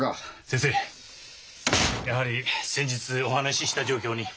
先生やはり先日お話しした状況に。